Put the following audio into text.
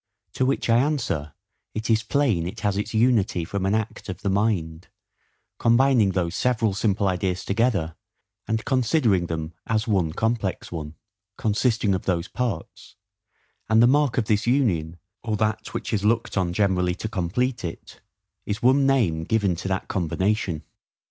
To which I answer, it is plain it has its unity from an act of the mind, combining those several simple ideas together, and considering them as one complex one, consisting of those parts; and the mark of this union, or that which is looked on generally to complete it, is one NAME given to that combination.